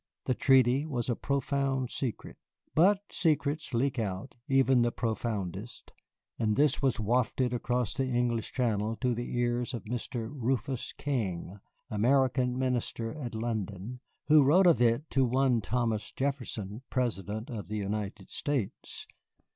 The treaty was a profound secret. But secrets leak out, even the profoundest; and this was wafted across the English Channel to the ears of Mr. Rufus King, American Minister at London, who wrote of it to one Thomas Jefferson, President of the United States.